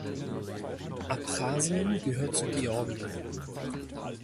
Abchasien gehört zu Georgien.